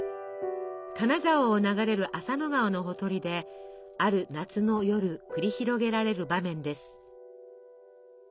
金沢を流れる浅野川のほとりである夏の夜繰り広げられる場面です。